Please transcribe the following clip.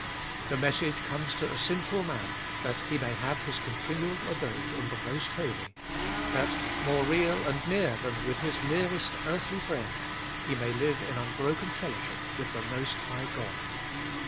The message comes to a sinful man that he may have his continual abode in the Most Holy ; that, more real and near than with his nearest earthly friend, he may live in unbroken fellowship with the Most High God.